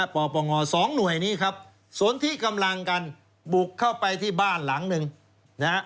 ปปง๒หน่วยนี้ครับสนที่กำลังกันบุกเข้าไปที่บ้านหลังหนึ่งนะฮะ